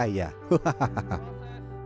tentunya versi favorit saya